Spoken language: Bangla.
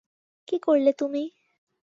কী করলে তুমি?